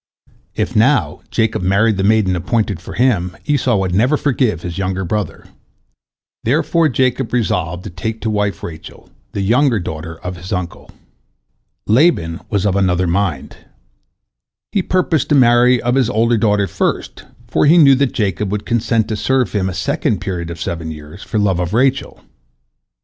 If, now, Jacob married the maiden appointed for him, Esau would never forgive his younger brother. Therefore Jacob resolved to take to wife Rachel, the younger daughter of his uncle. Laban was of another mind. He purposed to marry of his older daughter first, for he knew that Jacob would consent to serve him a second period of seven years for love of Rachel.